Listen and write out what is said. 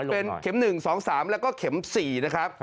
เป็นเข็มหนึ่งสองสามแล้วก็เข็มสี่นะครับ